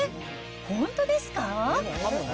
本当ですか？